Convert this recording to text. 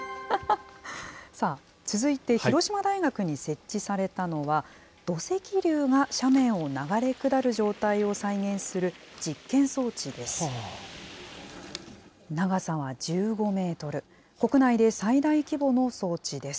続いて広島大学に設置されたのは、土石流が斜面を流れ下る状態を再現する実験装置です。